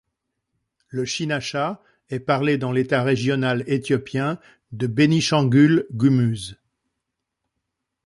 Le shinasha est parlé dans l'État régional éthiopien de Benishangul-Gumuz.